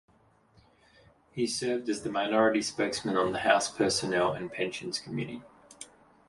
He served as the minority spokesman on the House Personnel and Pensions Committee.